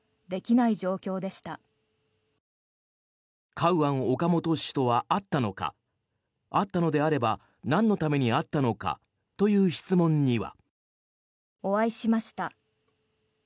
カウアン・オカモト氏とは会ったのか会ったのであればなんのために会ったのかという質問には。